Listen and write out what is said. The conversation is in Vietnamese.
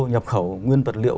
nhập khẩu nguyên vật liệu